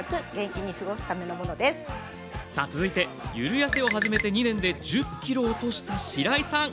続いてゆるやせを始めて２年で１０ｋｇ落としたしらいさん。